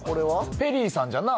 ペリーさんじゃない。